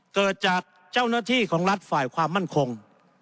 เกิดจากเจ้าหน้าที่ของรัฐฝ่ายความมั่นคง